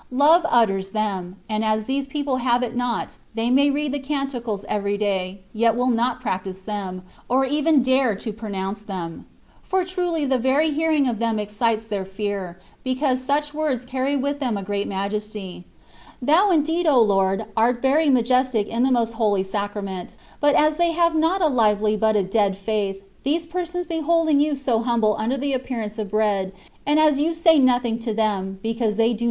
^^ Love utters them; and as these people have it not, they may read the " Canticles '' every day, yet will not practise them, or even dare to pronounce them ; for truly the very hearing of them excites their fear, because such words carry with them a great majesty. Thou, indeed, O Lord ! art very majestic in the Most Holy Sacrament ; but as they have not a lively but a dead faith, these persons behold ing you so humble under the appearance of bread, and as you say nothing to them, because they do CONCEPTIONS OP DIVINE LOVE.